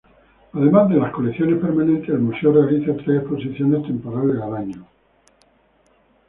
Además de las colecciones permanentes, el museo realiza tres exposiciones temporales al año.